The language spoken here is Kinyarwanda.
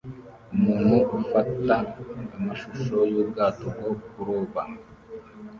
Umuntu ufata amashusho yubwato bwo kuroba